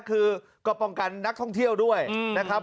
คือก็ป้องกันนักท่องเที่ยวด้วยนะครับ